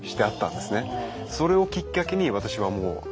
それをきっかけに私はもう。